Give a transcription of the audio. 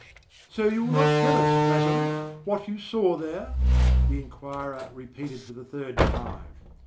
"So you will not tell us, Lazarus, what you saw There?" the inquirer repeated for the third time.